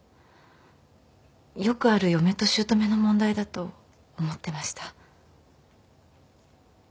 よくある嫁と姑の問題だと思ってました。